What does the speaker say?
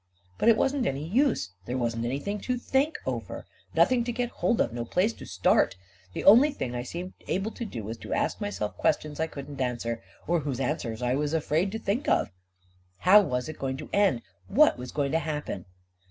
But it wasn't any use — there wasn't anything to think over — nothing to get hold of — no place to start! The only thing I seemed able to do was to ask myself questions I couldn't answer — or whose answers I was afraid to think of ! How was it going to end? What was going to happen